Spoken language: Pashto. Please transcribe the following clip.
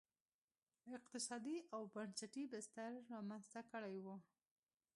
اقتصادي او بنسټي بستر رامنځته کړی و.